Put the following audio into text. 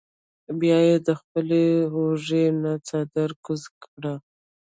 بیا ئې د خپلې اوږې نه څادر کوز کړۀ ـ